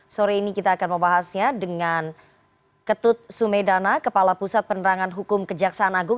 sore ini kita akan membahasnya dengan ketut sumedana kepala pusat penerangan hukum kejaksaan agung